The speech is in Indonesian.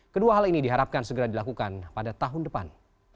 kedua hal ini diharapkan segera dilakukan pada tahun depan